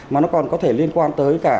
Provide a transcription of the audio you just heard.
mà nó còn có thể liên quan tới cả